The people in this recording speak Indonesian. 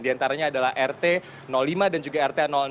di antaranya adalah rt lima dan juga rt enam